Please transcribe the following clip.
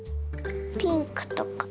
ピンクとか。